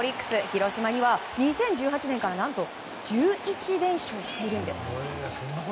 広島には２０１８年から何と１１連勝しているんです。